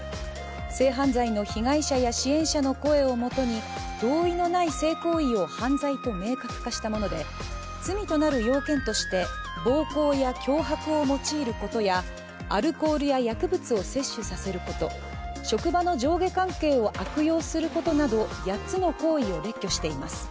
性犯罪の被害者や支援者の声をもとに同意のない性行為を犯罪と明確化したもので罪となる要件として、暴行や脅迫を用いることやアルコールや薬物を摂取させること職場の上下関係を悪用することなど８つの行為を列挙しています。